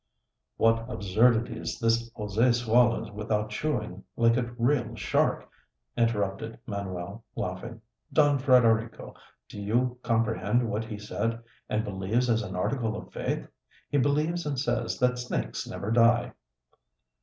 "What absurdities this José swallows without chewing, like a real shark!" interrupted Manuel, laughing. "Don Frederico, do you comprehend what he said and believes as an article of faith? He believes and says that snakes never die."